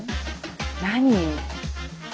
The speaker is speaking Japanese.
何？